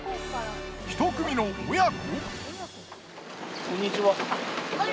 一組の親子？